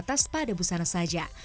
produksi apikmen pun tak hanya berhasil